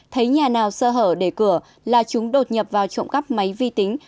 thấy nhà nào sơ hở để cửa là chúng đột nhập vào trụng cấp máy vi tính